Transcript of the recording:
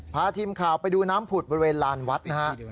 พาทีมข่าวไปดูน้ำผุดบริเวณลานวัดนะฮะ